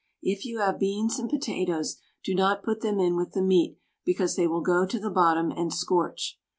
If you have beans and potatoes do not put them in with the meat because they will go to the bottom and scorch.